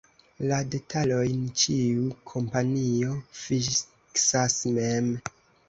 La detalojn ĉiu kompanio fiksas mem.